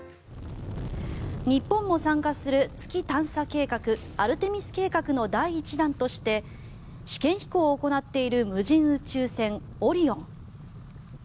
日本も参加する月探査計画アルテミス計画の第１弾として試験飛行を行っている無人宇宙船オリオン。